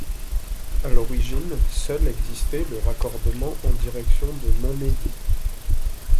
À l’origine, seul existait le raccordement en direction de Montmédy.